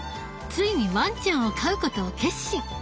ついにワンちゃんを飼うことを決心。